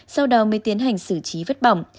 sau đó mới tiến hành xử trí vết bỏng